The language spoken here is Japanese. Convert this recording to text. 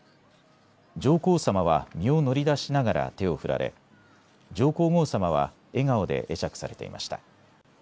上皇さまは身を乗り出しながら手を振られ上皇后さまは笑顔で会釈されていました。